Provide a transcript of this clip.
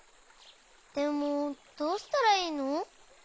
でもどうしたらいいの？